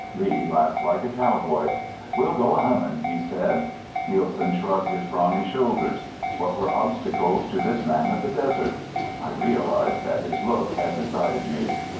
Lee laughed like a cowboy: "We'll go a hummin'," he said. Nielsen shrugged his brawny shoulders. What were obstacles to this man of the desert? I realized that his look had decided me.